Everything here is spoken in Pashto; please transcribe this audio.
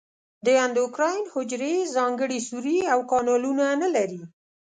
د اندوکراین حجرې ځانګړي سوري او کانالونه نه لري.